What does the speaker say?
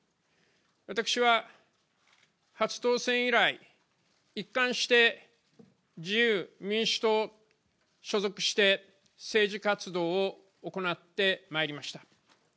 私は初当選以来、一貫して自由民主党、所属して、政治活動を行ってまいりました。